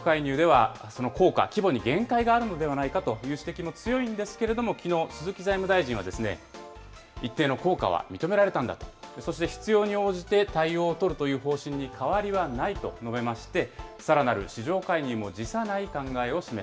日本の単独介入では、その効果、規模に限界があるのではないかという指摘も強いんですけれども、きのう、鈴木財務大臣は、一定の効果は認められたんだと、そして必要に応じて対応を取るという方針に変わりはないと述べまして、さらなる市場介入も辞さない考え